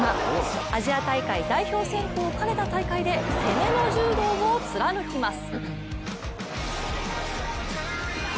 アジア大会代表選考を兼ねた大会で攻めの柔道を貫きます。